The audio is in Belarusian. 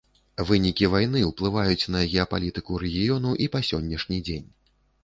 Вынікі вайны ўплываюць на геапалітыку рэгіёну і па сённяшні дзень.